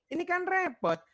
ini kan repot